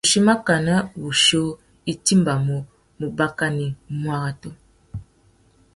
Wuchí makana wutiō i timbamú mubanaki muaratu.